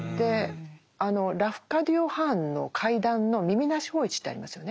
ラフカディオ・ハーンの「怪談」の「耳なし芳一」ってありますよね。